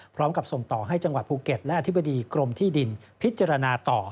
พร้อมกับส่งต่อให้จังหวัดภูเก็ตและอธิบดีกรมที่ดินพิจารณาต่อ